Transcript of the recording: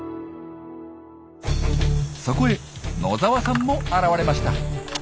そこへ野澤さんも現れました。